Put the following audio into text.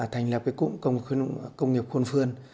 thành lập cái cụm công nghiệp khuôn phương